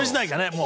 もう。